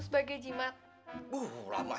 sebagai jimat buruklah